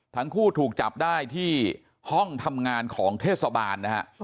ทั้งคู่ถูกจับได้ที่ห้องทำงานของเทศบาลนะฮะ